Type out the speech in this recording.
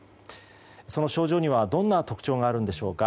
その症状にはどんな特徴があるんでしょうか。